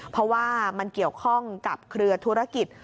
เพราะว่ามันเกี่ยวข้องกับเครือธุรกิจ